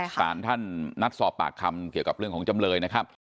สารท่านนัดสอบปากคำเกี่ยวกับเรื่องของจำเลยนะครับ